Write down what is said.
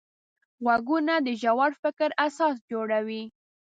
غوږونه د ژور فکر اساس جوړوي